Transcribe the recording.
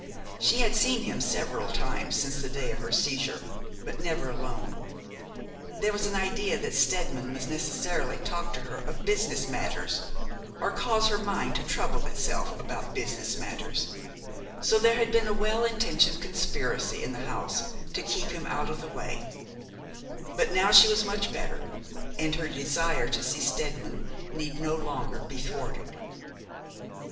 She had seen him several times since the day of her seizure, but never alone. There was an idea that Steadman must necessarily talk to her of business matters, or cause her mind to trouble itself about business matters; so there had been a well intentioned conspiracy in the house to keep him out of her way; but now she was much better, and her desire to see Steadman need no longer be thwarted.